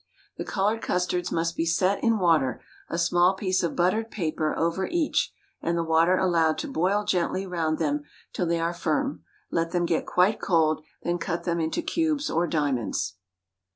The colored custards must be set in water, a small piece of buttered paper over each, and the water allowed to boil gently round them till they are firm. Let them get quite cold; then cut them into cubes or diamonds.